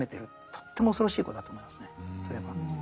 とっても恐ろしいことだと思いますねそれは。